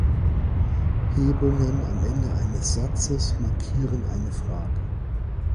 Hebungen am Ende eines Satzes markieren eine Frage.